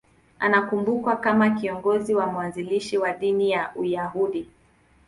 Anakumbukwa kama kiongozi na mwanzilishi wa dini ya Uyahudi.